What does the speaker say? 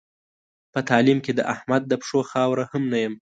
په تعلیم کې د احمد د پښو خاوره هم نه یم.